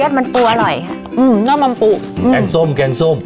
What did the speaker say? อู้แยะมันตัวอร่อยค่ะอื้มน้ำมันปุเอือกลางซ่อมกลางซ่อม